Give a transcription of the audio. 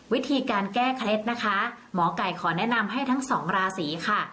วิธีการแก้เคล็ดนะคะหมอไก่ขอแนะนำให้ทั้งสองราศีค่ะ